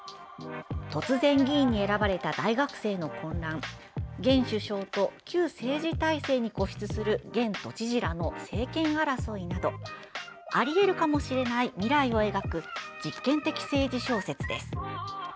突然議員に選ばれた大学生の混乱現首相と旧政治体制に固執する現都知事らの政権争いなどあり得るかもしれない未来を描く実験的政治小説です。